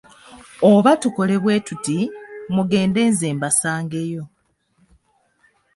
Oba tukole bwe tuti, mugende nze mbasangeyo.